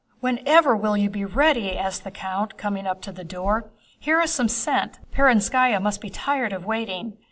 "Whenever will you be ready?" asked the count coming to the door. "Here is some scent. Perónskaya must be tired of waiting."